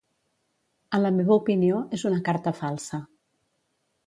En la meva opinió és una carta falsa.